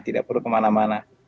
tidak perlu kemana mana